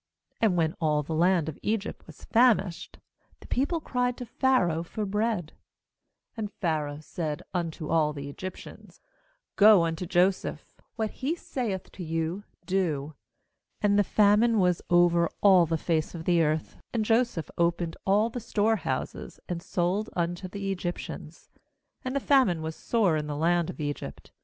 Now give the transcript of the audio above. ^And when all the land of Egypt was famished, the people cried to Pharaoh for bread; and Pharaoh said unto all the Egyptians: 'Go unto Joseph; what he saith to you, do/ ^And the famine was over all the face of the earth; and Jo houses, and so ph opened all the store Id unto the Egyptians; and the famine was sore in the land of Egypt.